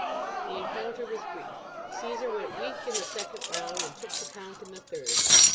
The encounter was brief. Caesar went weak in the second round, and took the count in the third.